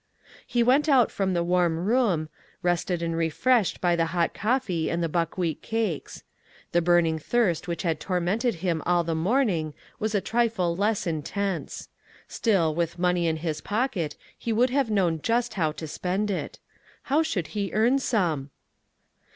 He went out from the warm room, rested and refreshed by the hot coffee and the buckwheat cakes. The burning thirst which had tormented him all the morning was a trifle less intense. Still with money 2l6 ONE COMMONPLACE DAY. in his pocket he would have known just how to spend it. How should he earn some?